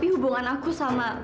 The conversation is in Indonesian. hanya untuk kami